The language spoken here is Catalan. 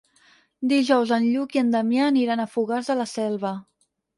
Dijous en Lluc i en Damià aniran a Fogars de la Selva.